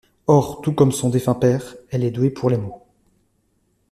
Or, tout comme son défunt père, elle est douée pour les mots.